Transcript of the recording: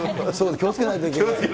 気をつけないといけない。